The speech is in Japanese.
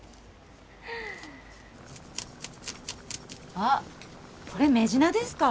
あっこれメジナですか？